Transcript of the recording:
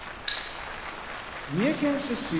三重県出身